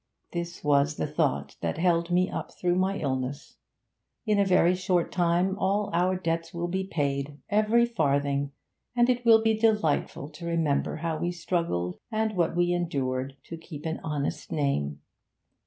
This was the thought that held me up through my illness. In a very short time all our debts will be paid every farthing, and it will be delightful to remember how we struggled, and what we endured, to keep an honest name.